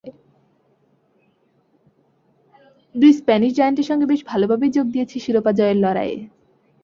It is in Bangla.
দুই স্প্যানিশ জায়ান্টের সঙ্গে বেশ ভালোভাবেই যোগ দিয়েছে শিরোপা জয়ের লড়াইয়ে।